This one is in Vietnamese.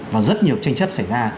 và rất nhiều tranh chấp xảy ra